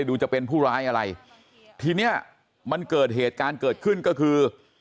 ดูจะเป็นผู้ร้ายอะไรทีเนี้ยมันเกิดเหตุการณ์เกิดขึ้นก็คือ